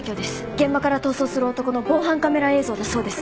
現場から逃走する男の防犯カメラ映像だそうです。